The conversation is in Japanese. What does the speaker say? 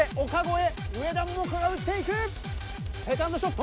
セカンドショット！